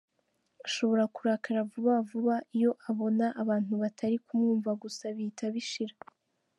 Ashobora kurakara vuba vuba iyo abona abantu batari kumwumva gusa bihita bishira.